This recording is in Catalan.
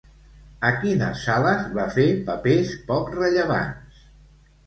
A quines sales va fer papers poc rellevants?